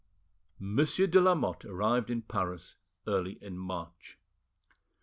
Monsieur de Lamotte arrived in Paris early in March.